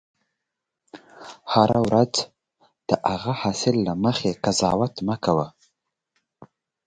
هره ورځ د هغه حاصل له مخې قضاوت مه کوه.